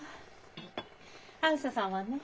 あづささんはね